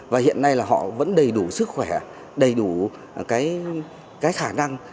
và hiện nay là họ vẫn đầy đủ sức khỏe đầy đủ khả năng vừa là truyền dạy